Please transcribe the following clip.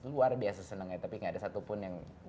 luar biasa senang ya tapi gak ada satupun yang